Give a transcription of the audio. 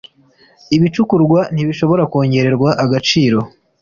ibicukurwa ntibishobora kongererwa agaciro